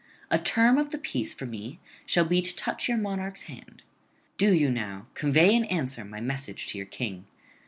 A term of the peace for me shall be to touch your monarch's hand. Do you now convey in answer my message to your King.